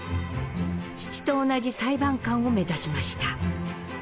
父と同じ裁判官を目指しました。